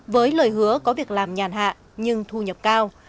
với lời hứa có việc làm nhàn hạ nhưng thu nhập cao